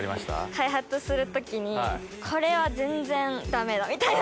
開発する時にこれは全然ダメだみたいな。